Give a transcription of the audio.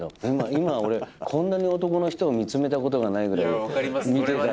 今俺こんなに男の人を見つめたことがないぐらい見てた。